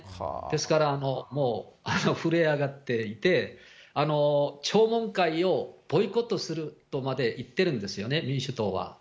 ですから、もう震え上がっていて、聴聞会をボイコットするとまでいってるんですよね、民主党は。